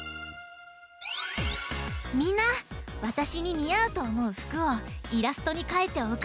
みんなわたしににあうとおもうふくをイラストにかいておくってね！